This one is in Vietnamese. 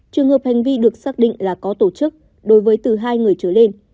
trường hợp hành vi được xác định là có tổ chức đối với từ hai người trở lên